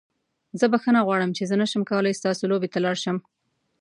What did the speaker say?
زه بخښنه غواړم چې زه نشم کولی ستاسو لوبې ته لاړ شم.